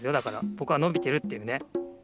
ぼくがのびてるっていうね。